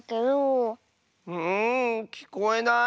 んきこえない。